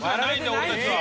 俺たちは。